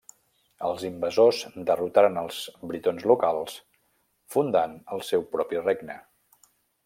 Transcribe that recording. Els invasors derrotaren els britons locals, fundant el seu propi regne.